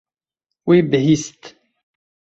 Wî bihîst.